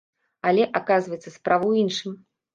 Але, аказваецца, справа ў іншым.